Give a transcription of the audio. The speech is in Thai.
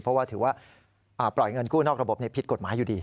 เพราะว่าถือว่าปล่อยเงินกู้นอกระบบผิดกฎหมายอยู่ดี